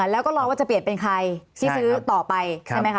แล้วก็รอว่าจะเปลี่ยนเป็นใครที่ซื้อต่อไปใช่ไหมคะ